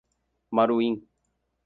Maruim